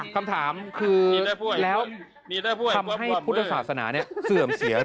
คำถามคือแล้วทำให้พุทธศาสนาเสื่อมเสีย